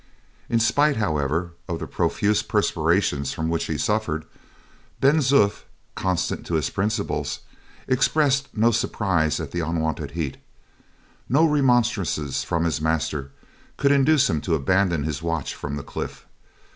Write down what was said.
In spite, however, of the profuse perspirations from which he suffered, Ben Zoof, constant to his principles, expressed no surprise at the unwonted heat. No remonstrances from his master could induce him to abandon his watch from the cliff.